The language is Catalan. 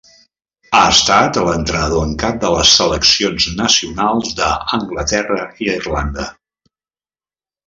Ha estan l'entrenador en cap de les seleccions nacionals d'Anglaterra i Irlanda.